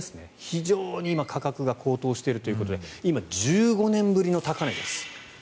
非常に今価格が高騰しているということで今、１５年ぶりの高値です。